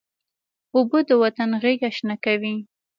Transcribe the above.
اوبه د وطن غیږه شنه کوي.